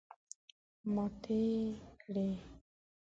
ماتې کړې.